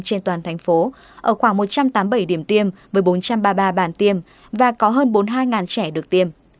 thành phố ở khoảng một trăm tám mươi bảy điểm tiêm với bốn trăm ba mươi ba bàn tiêm và có hơn bốn mươi hai trẻ được tiêm